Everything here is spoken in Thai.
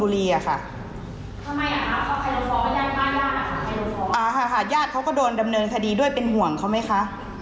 เรามาได้ได้พูดคุยรู้หรอคะ